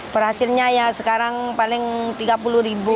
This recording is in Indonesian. perhasilnya ya sekarang paling tiga puluh ribu